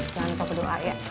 selamet apa doa ya